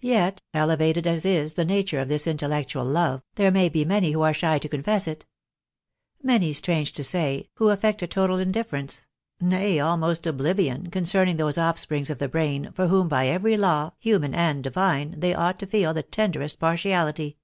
Yet, elevated as is the nature of this intellectual love, there be many who are shy to confess it. Many, strange to say, who affect a total indifference, nay, almost obHvion, concerning those offsprings of the brain, for whom by every law, human and divine, they ought to feel the tenderest partiality.